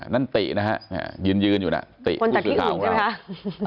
นั่นตินะฮะยืนยืนอยู่น่ะคนจากที่อื่นใช่ไหมครับ